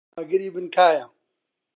دەڵێی ئاگری بن کایە.